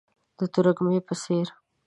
د ترږمۍ په څیرې،